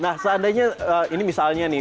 nah seandainya ini misalnya nih